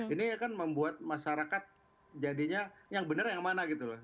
ini kan membuat masyarakat jadinya yang benar yang mana gitu loh